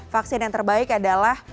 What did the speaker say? vaksin yang terbaik adalah